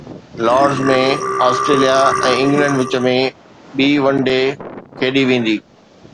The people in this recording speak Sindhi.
لارڊز ۾ آسٽريليا ۽ انگلينڊ وچ ۾ ٻي ون ڊي کيڏي ويندي